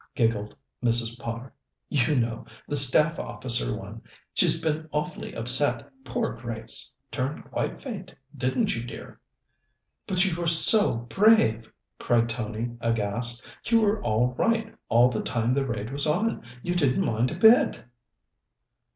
giggled Mrs. Potter. "You know, the Staff Officer one. She's been awfully upset, poor Grace! Turned quite faint, didn't you, dear?" "But you were so brave!" cried Tony, aghast. "You were all right all the time the raid was on. You didn't mind a bit!"